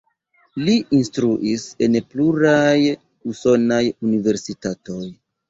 Li instruis en pluraj usonaj universitatoj.